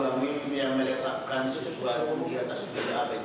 yang meletakkan sesuatu di atas media ya